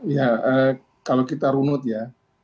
ya kalau kita runut ya